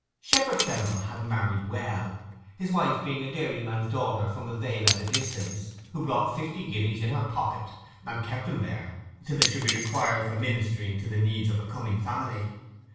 Shepherd Fennel had married well, his wife being a dairyman's daughter from a vale at a distance, who brought fifty guineas in her pocket—and kept them there, till they should be required for ministering to the needs of a coming family.